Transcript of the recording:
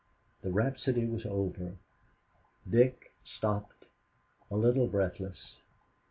'"The rhapsody was over. Dick stopped, a little breathless.